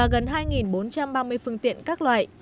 và gần hai bốn trăm ba mươi phương tiện các loại